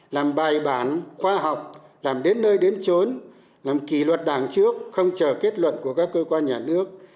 làm bài bản khoa học làm đến nơi đến trốn làm kỷ luật đảng trước không chờ kết luận của các cơ quan nhà nước